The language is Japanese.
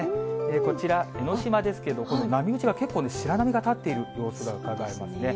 こちら、江の島ですけれども、この波打ち際、結構、白波が立っている様子がうかがえますね。